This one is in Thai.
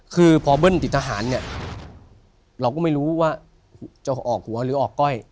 คือพอเบิ้ลติดทหารเนี่ยเราก็ไม่รู้ว่าจะออกหัวหรือออกก้อย